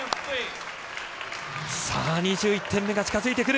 ２１点目が近づいてくる。